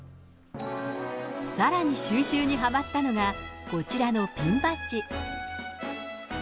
さらに収集に、はまったのがこちらのピンバッチ。